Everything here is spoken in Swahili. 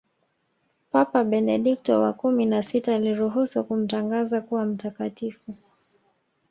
Papa Benedikto wa kumi na sita aliruhusu kumtangaza kuwa mtakatifu